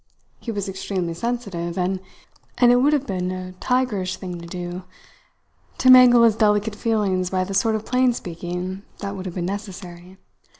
He was extremely sensitive, and it would have been a tigerish thing to do to mangle his delicate feelings by the sort of plain speaking that would have been necessary.